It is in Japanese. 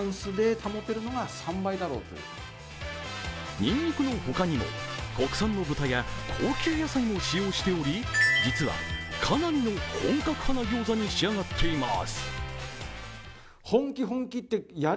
にんにくの他にも国産の豚や高級野菜も使用しており実はかなりの本格派の餃子に仕上がっています。